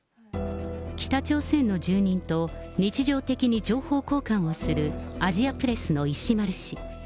北朝鮮の住民と日常的に情報交換をする、アジアプレスの石丸氏。